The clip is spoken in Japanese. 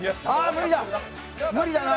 無理だな。